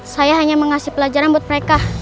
saya hanya mengasih pelajaran buat mereka